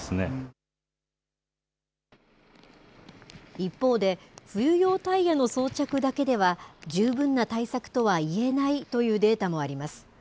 一方で、冬用タイヤの装着だけでは十分な対策とはいえないというデータもあります。